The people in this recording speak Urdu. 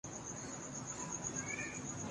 اس کے باوصف مذہب انسان کو انتخاب کا حق دیتا ہے۔